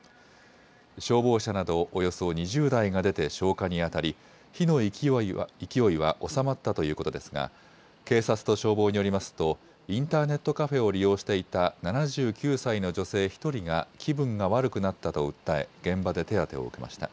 消防車などおよそ２０台が出て消火にあたり火の勢いは収まったということですが警察と消防によりますとインターネットカフェを利用していた７９歳の女性１人が気分が悪くなったと訴え現場で手当てを受けました。